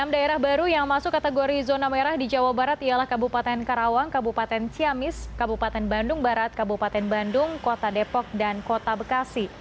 enam daerah baru yang masuk kategori zona merah di jawa barat ialah kabupaten karawang kabupaten ciamis kabupaten bandung barat kabupaten bandung kota depok dan kota bekasi